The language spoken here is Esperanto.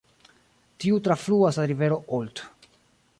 Tiu trafluas la rivero Olt.